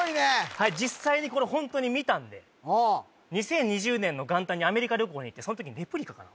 はい実際にこれホントに見たんでああ２０２０年の元旦にアメリカ旅行に行ってその時にレプリカかな？